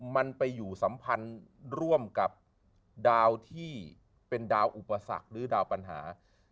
มันไปอยู่สัมพันธ์ร่วมกับดาวที่เป็นดาวอุปสรรคหรือดาวปัญหา